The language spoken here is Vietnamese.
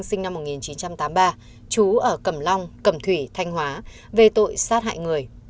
sinh năm một nghìn chín trăm tám mươi ba trú ở cẩm long cẩm thủy thanh hóa về tội sát hại người